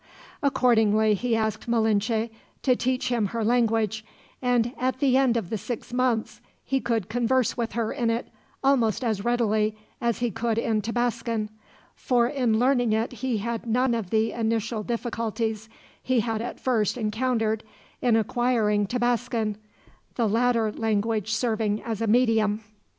Accordingly, he asked Malinche to teach him her language; and at the end of the six months he could converse with her in it, almost as readily as he could in Tabascan; for in learning it he had none of the initial difficulties he had at first encountered, in acquiring Tabascan the latter language serving as a medium.